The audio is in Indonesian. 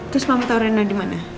terus mama tau reina dimana